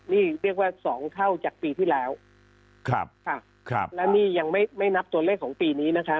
นี่เรียกว่าสองเท่าจากปีที่แล้วครับค่ะครับแล้วนี่ยังไม่ไม่นับตัวเลขของปีนี้นะคะ